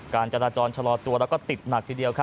การจราจรชะลอตัวแล้วก็ติดหนักทีเดียว